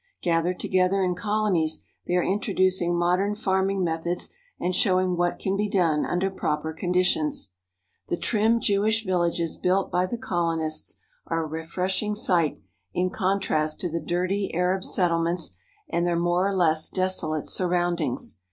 Gathered together in colonies, they are introducing modern farming methods and showing what can be done under proper conditions. The trim Jewish villages built by the colonists are a refreshing sight in contrast to the dirty Arab settle ments and their more or less desolate surroundings.